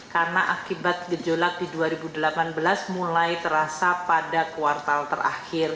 karena akibat gejolak di dua ribu delapan belas mulai terasa pada kuartal terakhir